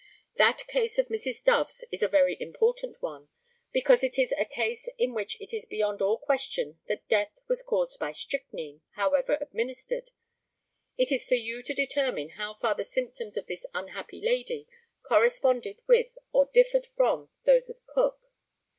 That case of Mrs. Dove's is a very important one, because it is a case in which it is beyond all question that death was caused by strychnine, however administered. It is for you to determine how far the symptoms of this unhappy lady corresponded with or differed from those of Cook.